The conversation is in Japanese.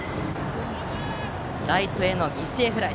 ライトへの犠牲フライ。